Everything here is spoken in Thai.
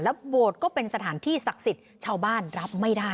และก็เป็นสถานที่ศักดิ์สิตเช่าบ้านรับไม่ได้